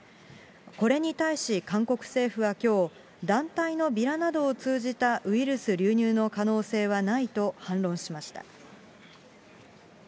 これに対し、韓国政府はきょう、団体のビラなどを通じたウイルス流入の可能性はないと反論しました。